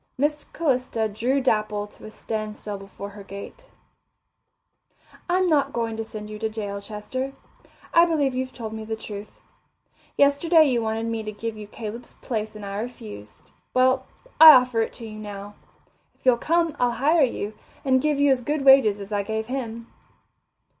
Miss Calista drew Dapple to a standstill before her gate. "I'm not going to send you to jail, Chester. I believe you've told me the truth. Yesterday you wanted me to give you Caleb's place and I refused. Well, I offer it to you now. If you'll come, I'll hire you, and give you as good wages as I gave him."